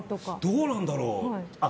どうなんだろう？